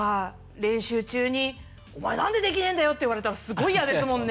練習中に「お前何でできねぇんだよ！」って言われたらすごい嫌ですもんね。